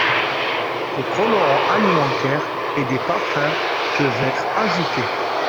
Des colorants alimentaires et des parfums peuvent être ajoutés.